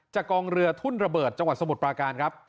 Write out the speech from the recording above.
กองเรือทุ่นระเบิดจังหวัดสมุทรปราการครับ